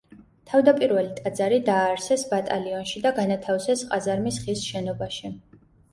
თავდაპირველი ტაძარი დააარსეს ბატალიონში და განათავსეს ყაზარმის ხის შენობაში.